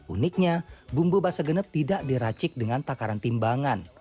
uniknya bumbu bahasa genep tidak diracik dengan takaran timbangan